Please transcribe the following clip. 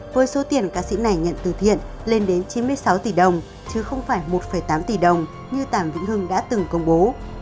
với số tiền ca sĩ này nhận từ thiện lên đến chín mươi sáu tỷ đồng chứ không phải một tám tỷ đồng như tảm vĩnh hưng đã từng công bố